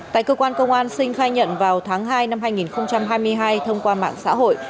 tại cơ quan công an sinh khai nhận vào tháng hai năm hai nghìn hai mươi hai thông qua mạng xã hội